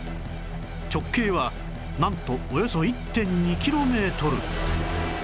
直径はなんとおよそ １．２ キロメートル